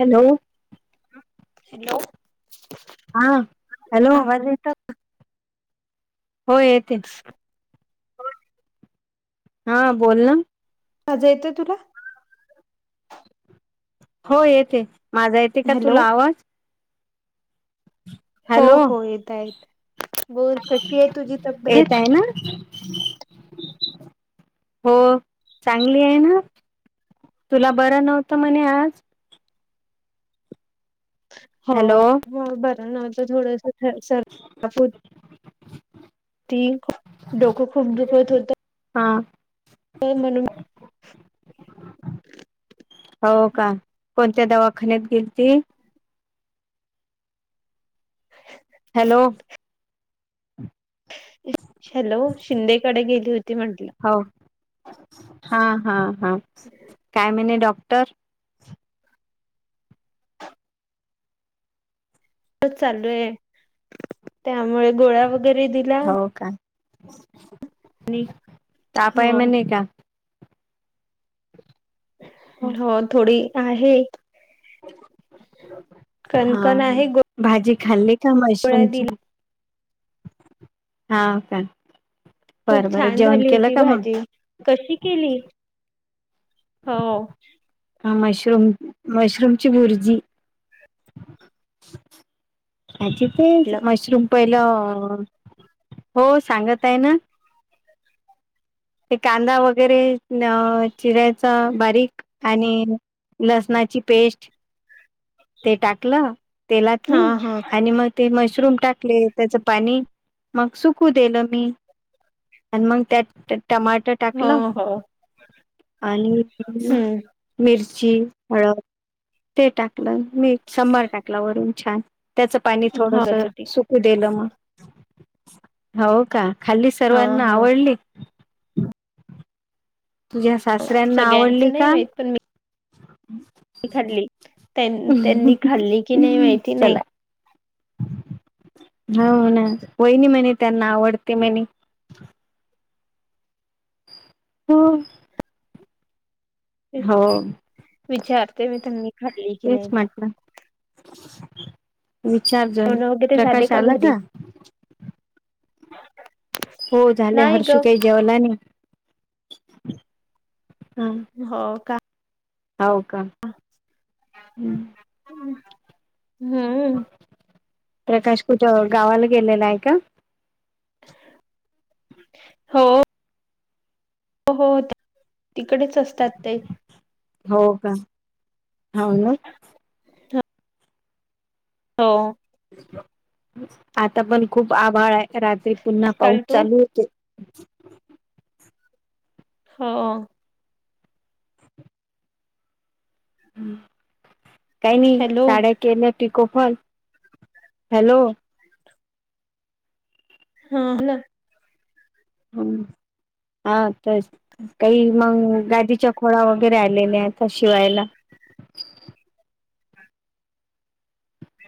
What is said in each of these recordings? Hello? Hello! हा hello! आवाज येत हो येते, हा बोल ना, माझा येतंय तुला, हो येते माझा येते का हॅलो तुला आवाज? हो हॅलो हो येत येत बोल कशी आहे, तुझी येत तब्येत, आहे ना हो चांगली आहे ना, तुला बरं नव्हतं म्हणे आज, हो हॅलो बरं न तर थोडंस सर्दी, ती डोकं खूप दुखत होत. हा म्हणून हो, का, कोणत्या दवाखान्यात गेलती? Hello [unintelligible] hello! शिंदेकडे गेली होती म्हटलं, हो हा हा हा, काय म्हहिने डॉक्टर? चालू आहे, त्यामुळे गोळ्या वगैरे दिला, [unintelligible] तपाय हो म्ह का, हा हो थोडी आहे. हा कणकण आहे भाजी खाल्ली, गोळ्या मशरूम ची, दिला हा का, खूप बरं बरं छान जेवण झाली केलं होती, का भाजी कशी केली? हो, ह मशरूम मशरूमची बर्जी, हजच म्हटलं मशरूम पहिलं हो, सांगत आहे ना, ते कांदा वगैरे चिरायचा बारीक, आणि लसणाची पेस्ट ते टाकलं तेलात हा नाही हा आणि मग ते मशरूम टाकले त्याच पाणी मग सुकू देलं मी आणि मग त्यात टमाटर हो टाकलं हो आणि हम्म मिरच हळद ते टाकलं मीठ सबार टाकला वरून छान त्याचं पाणी थोडस होत होती सुकू देलं मग हो का खाली हा सर्वांना हा आवडली तुझ्या सासऱ्यांना आवडली सगळ्यांचं नाही का माहित पण मी खाल्ली त्यां त्यांनी खाल्ली कि नाही माहिती नाही चला हो ना वहिनी म्हणे त्यांना आवडते म्हणे हो हो विचारते मी त्यां नि खाली की तेच नाही तर, विचारजन जेवण वगैरे झाले प्रकाश आला घरी? का? हो झाले नाही हर्षू ग काही जेवला नाही, हो का, होव का हम्, हम्म, प्रकाश कुठं गावाला गेलेलाय काय? हो, हो हो तिकडेच असतात ते हो का हा ना हो आता पण खूप आभाळाय रात्री पुन्हा काल पाऊस तू चालू होतो हो काई नई हॅलो साड्या केले पीकोफॉल हॅलो हा हॅलो हम्म हा तर काई मग गादीच्या खोळा वगैरे आलेल्या आता शिवायला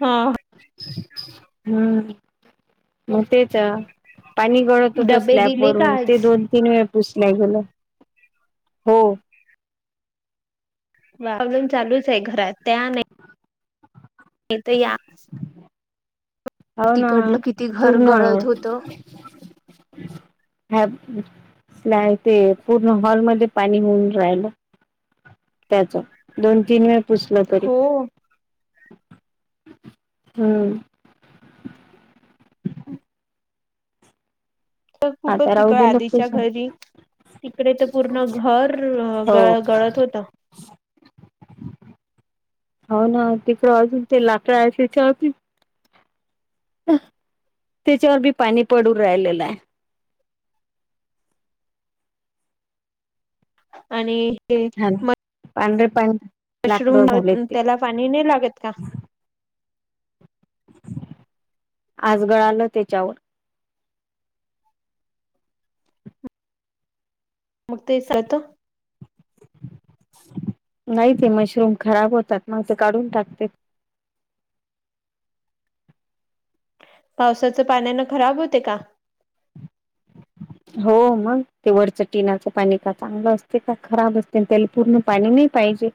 हा हम्म मग तेच पाणी गळत हुतं डबे दिले का स्लॅपवरून आज? ते दोन तीन वेळ पुस नाही गेलं हो अजून चालूचय घरात त्या नाही नाही त या होना तिकडलं किती घर पूर्ण गळत होत. ह नाय ते पूर्ण हॉलमध्ये पाणी होऊन राहिलं त्याच दोन तीन वेळ पुसलं तरी हो हम्म तर खूपच आता राहू तिकळ दिलं आधीच्या पुस घरी तिकडे तर पूर्ण घरं हो गळ गळत होत हो ना तिकडं अजून ते [unintelligible] त्याच्यावर बी पाणी पडून राहिलेलंय आणि हे हंना पांढरेपाणी मशरूम म त्याला पाणी नाही लागत का आज गळाल तेच्यावर मग तेचत नाई ते मशरूम खराब होतात मग ते काढून टाकते पावसाचं पाण्यानं खराब होते का हो मग ते वरचं टीनाच पाणी का चांगलं असते का खराब असते आणि त्याला पूर्ण पाणी नाही पाहिल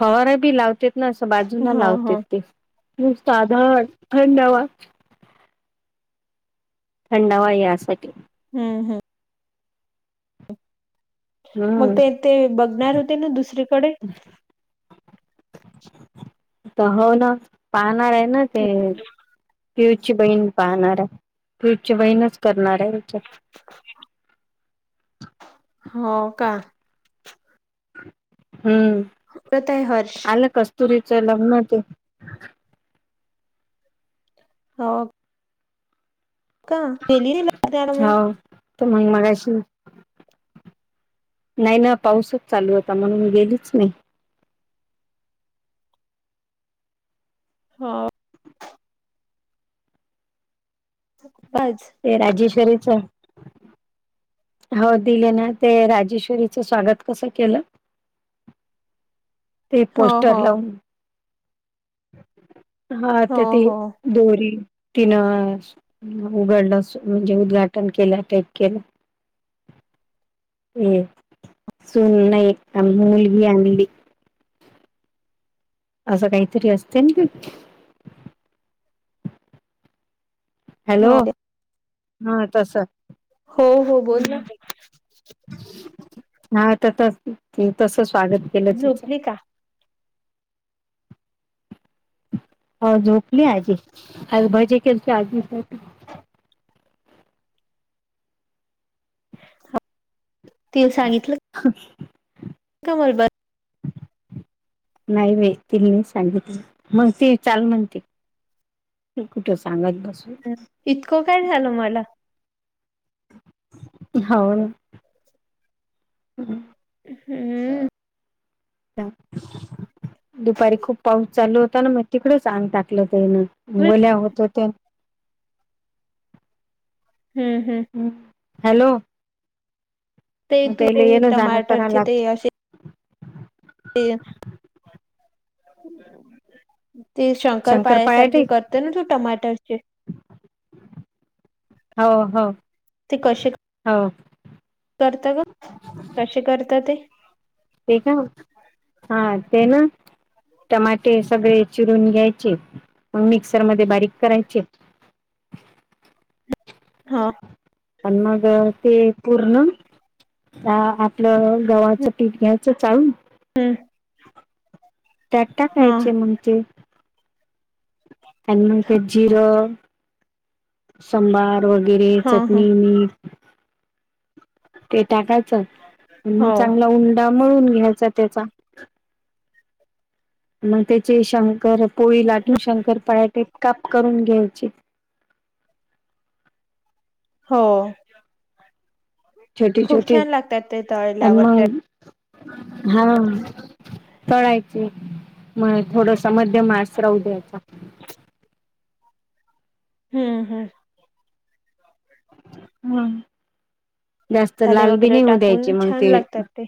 फवार बी लावते न असं बाजूनं हा लावतेत हा ते नुसत साध थंडवा थंडावा यासाठी हम हम मग हम्म ते ते बघणार होते ना दुसरीकडे तर हो ना पाहणारय ना ते प्युची बहीण पाहणार आहे प्युची बहीणच करणाराय याच्यात हो का हम्म परत आहे हर्ष आलं कस तुरीच लग्न ते हो का [unintelligible] त मग मगाशी नाय ना पाऊसच चालू होता म्हणून गेलीच नाही हा आज ते राजेश्वरी च हो दिले ना ते राजेश्वरीचं स्वागत कस केलं ते हो पोस्टर हो लावून हा हो तर ते हो दोरी तिनं उघडलं म्हणजे उद्घाटन केलं टेप केलं हा सुून नाही आम्ही मुलगी आणली असं काहीतरी असते ना कि हॅलो हो हा तसं हो हो बोल ना हा तर तस स्वागत केलं तिचं झोपली का हो झोपली आजी अजे आजी हा अ [unintelligible] कमलब नाही बाई तिनी सांगितलं म्हणते चाल म्हणते तत कुठे सांगत ग हम इतकं काय झालं मला हो ना हम हम्मम दुपारी खूप पाऊस चालू होता, ना मग तिकडच आंग टाकलं. ते वल्या होत होत हम्म हम्म हॅलो म ते ल ये ना जाना क लागत तेठी [unintelligible] ते शंकर पाळ्या सारखे करते ना तू टमाटरचे हो हो ते कशे हो करता ग कशी करत ते ते का हा ते ना ह [unintelligible] टमाटे सगळे चिरून घ्यायचे मग मिक्सरमध्ये बारीक करायचे हे [unintelligible] हो. पण मग ते पूर्ण. अ आपलं गव्हाच पीठ घ्यायचं चाळून. हम्म. त्यात हा टाकायचे मग ते. [unintelligible] म्हणत्यात जिरों संबा वगैरे हा हा चटणी मीठ ते टाका चा अन मग हो चांगला उंडा मळून घ्यायचा त्याचा. मग त्याचे शंकर, पोळी लाटून शंकरपाळ्या टिपकाप करून घ्यायची हो छोटे खूप छोटे छान लागतात ते आणि तळल्यावर ते मग हा तळायचे म थोडस मध्यम आसरवू द्यायचा हम्म हम्म हम् [unintelligible] जास्त मसाले लाल बी वगैरे नाही होऊ द्यायचे टाकून मग छान ते लागतात ते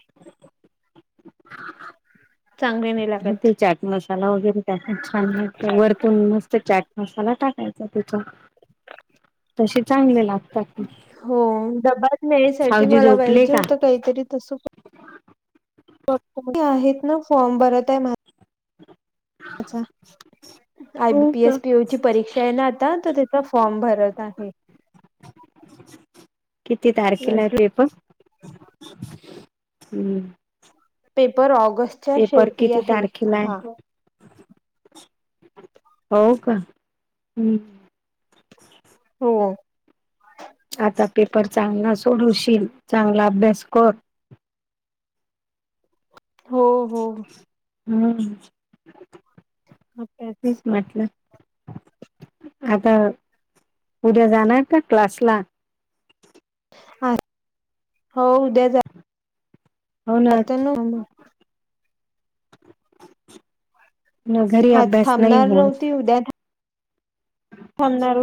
चांगले नाही लागत. ते चाट मसाला वगैरे टाकून छान वरतून मस्त चाट मसाला टाकायचा त्याचा वर [inaudible] तसे चांगले लागतात की हो बाात मियसाठी मला झोपले पाहिजे का? होतं काहीतरी तस फाॅ कूठे आहेत ना फॉर्म भरत आहे मा अच्छा आय बी हो का? पीएस पीओ परीक्षा आहे ना आता तर त्याचा फॉर्म भरत आहे. [inaudible] किती तारखेला आहे पेपर हम्म पेपर ऑगस्ट च्या पेपर शेवटी किती आहे. तारखेला आहे? हा हो का हम्म हो आता पेपर चांगला सोडूवशील चांगला अभ्यास कर. हो हो हम्म अभ्यास तेच म्हटलं. आता उद्या जाणार का क्लासला हा हो उद्या जा हो ना पतण [unintelligible] घरी आज अभ्यास नाही थांबणार होवून नव्हती उद्या थांबणार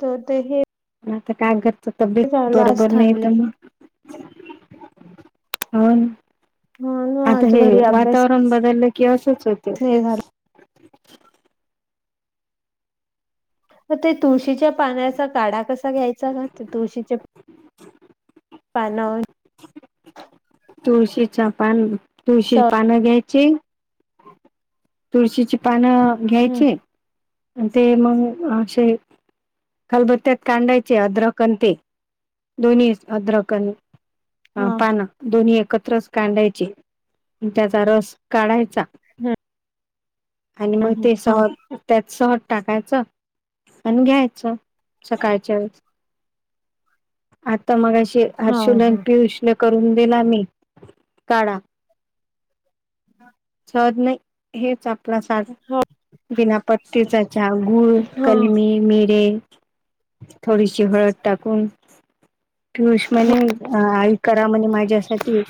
तर ते हे आता कागदच तब्येत झालं आज बरोबर नाही तर थांबली मग हो ह आता आज हे घरी अभ्यास वातावरण बदललं की असंच होतं. नाही झाला ते तुळशीच्या पाण्याचा काढा कसा घ्यायचा का ते तुळशीचे पानावर तुळशीच पान स तुळशी पानं घ्यायची तुळशीची पानं हम्म घ्यायचे आणि ते मग असे खलबत्त्यात कांडायचे अर्द्रक अन ते दोन्ही अद्रक अन हा पान दोन्ही एकत्र रस कांडायची त्याचा रस काढायचा आणि मग हम्म ते हा सह सहट टाकायचं आणि घ्यायचं सकाळच्या वेळेस. आता मगाशी ते हा हर्षुला पियूषला करून दिला मी काढा. ह [inaudible] हेच आपला साधा बिना पट्टीचा जागुळ हो कलमी मिरे थोडीशी हळद टाकून पियूष म्हणे आई करा म्हणे माझ्यासाठी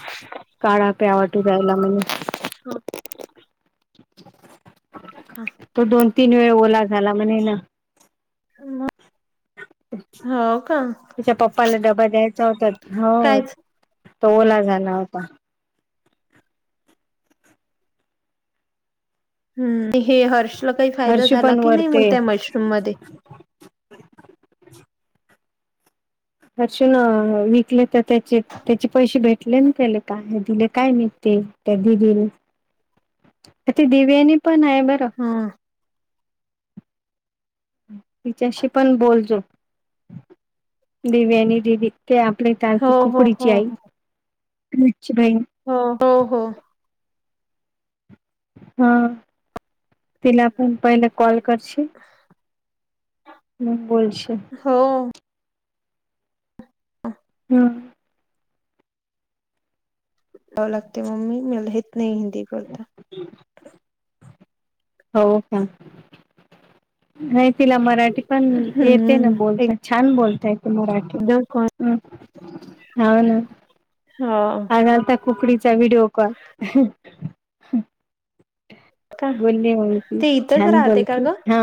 काळा प्यावाटू रायला म्हणे. [inaudible] [inaudible] हा वे ओला झाला म्हणे ना ह [inaudible] तच्या पप्पाला ड [unintelligible] तो द्यायचा होता हो कायच तो ओला झाला होता. हम्म हे हर्षला काही फायदा हर्षू झाला पण की वर नाही मग ते त्या मशरूम मध्ये? हर्ष न विकले तर त्याचे त्याचे पैसे भेटले ना त्याले काय दिले काय नि ते ते त्या. [unintelligible] [inaudible] ती देवयानी पण आहे बरं. हम्म. तिच्याशी पण बोलजो. देवयानी दिदी ते आपल्या इथ हो, आलती हो, हो, कुकडीची आई. ची बहीण हो, हो, हो. हा तिला पण पहिले कॉल करशील. मग बोलशील. हो. हम्म. जाव लागते मम्मी मला हेेत नाही हिंदी करता. हो का? नाही तिला मराठी पण येते ना हम्म बोलता छान बोल मराठी, एकदम कोण हम्म हाव ना. हो आज आलता कुकडीचा व्हिडिओ कॉल. का? बोलली मग ती. ते इथंच छान राहते का बोलती. ग? हा.